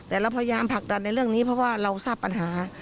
แต่เราพยายามผลักดันในเรื่องนี้เพราะว่าเราทราบปัญหา